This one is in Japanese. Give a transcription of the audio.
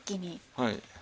はい。